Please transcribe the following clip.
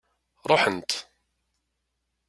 Ṛuḥent.